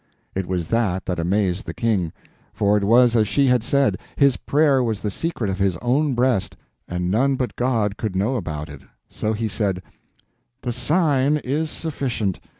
It was that that amazed the King, for it was as she had said: his prayer was the secret of his own breast, and none but God could know about it. So he said: "The sign is sufficient.